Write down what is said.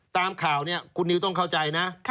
ตามข่าวเนี่ยคุณนิวต้องเข้าใจนะ